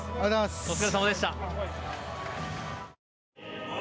お疲れさまでした。